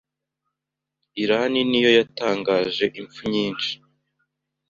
Iran ni yo yatangaje impfu nyinshi